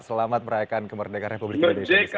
selamat merayakan kemerdekaan republik indonesia indonesia